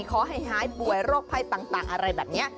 ขอให้หายป่วยโรคภัยต่างอะไรแบบนี้